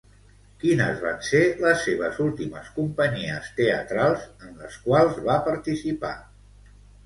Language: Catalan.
Quines van ser les seves últimes companyies teatrals en les quals va participar?